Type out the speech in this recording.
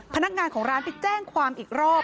พนักงานของร้านไปแจ้งความอีกรอบ